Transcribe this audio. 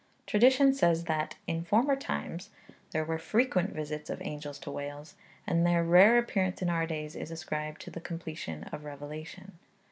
Tradition says that 'in former times' there were frequent visits of angels to Wales; and their rare appearance in our days is ascribed to the completion of revelation.